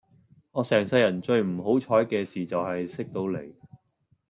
我成世人最唔好彩既事就係識到你